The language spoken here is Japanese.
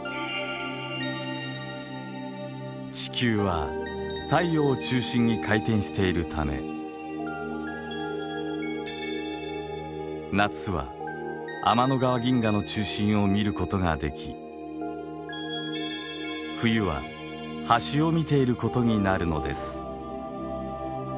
地球は太陽を中心に回転しているため夏は天の川銀河の中心を見ることができ冬は端を見ていることになるのです。